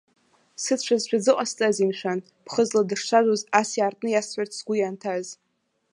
Сыцәазшәа зыҟасҵазеи, мшәан, ԥхыӡла дышцәажәоз ас иаартны иасҳәарц сгәы ианҭаз?